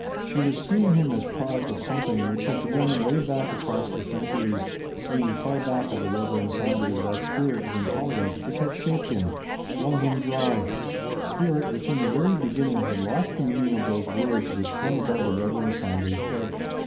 She was seeing him as product of something which had begun way back across the centuries, seeing far back of the Reverend Saunders that spirit of intolerance which had shaped him wrung him dry spirit which in the very beginning had lost the meaning of those words which hung above the Reverend Saunders' head.